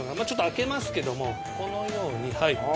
ちょっと開けますけどもこのようにはい。